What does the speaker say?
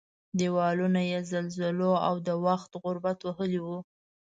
دېوالونه یې زلزلو او د وخت غربت وهلي وو.